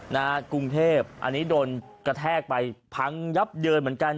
กรุงเทพอันนี้โดนกระแทกไปพังยับเยินเหมือนกัน